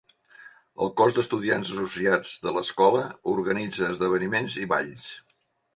El Cos d"estudiants associats de l"escola organitza esdeveniments i balls.